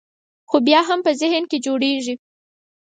خو بیا هم په ذهن کې جوړېږي.